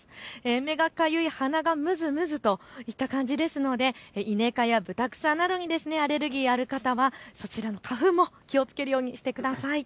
目がかゆい、鼻がむずむずといった感じですのでイネ科やブタクサなどにアレルギーがある方はそちらの花粉も気をつけるようにしてください。